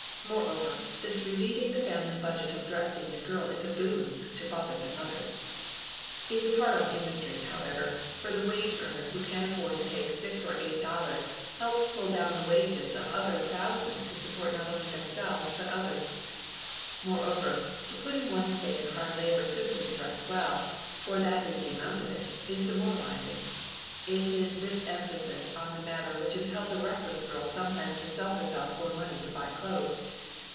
Moreover, this relieving the family budget of dressing the girl is a boon to fathers and mothers. It is hard on industry, however, for the wage earner who can afford to take $6 or $8 helps pull down the wages of other thousands who support not only themselves, but others. Moreover, to put in one's days in hard labor simply to dress well, for that is the amount of it, is demoralizing. It is this emphasis on the matter which impels a reckless girl sometimes to sell herself for money to buy clothes.